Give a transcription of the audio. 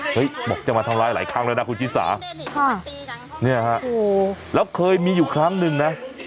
บอกจะมาทำร้ายหลายครั้งแล้วนะคุณชิสาเนี่ยฮะแล้วเคยมีอยู่ครั้งหนึ่งนะ